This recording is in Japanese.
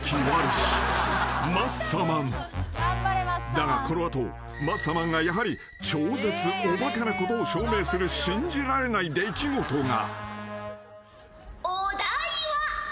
［だがこの後マッサマンがやはり超絶おバカなことを証明する信じられない出来事が］